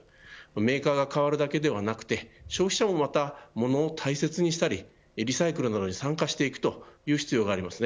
メーカーが変わるだけではなくて消費者もまた物を大切にしたりリサイクルなどに参加していくという必要があります。